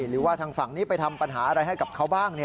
หรือว่าทางฝั่งนี้ไปทำปัญหาอะไรให้กับเขาบ้าง